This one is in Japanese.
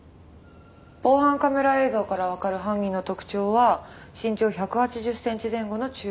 防犯カメラ映像からわかる犯人の特徴は身長１８０センチ前後の中肉中背。